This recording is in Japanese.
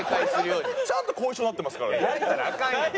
ちゃんと後遺症になってますからね。